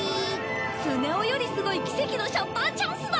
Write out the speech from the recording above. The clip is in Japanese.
スネ夫よりすごい奇跡のシャッターチャンスだ！